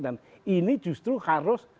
dan ini justru harus ditentukan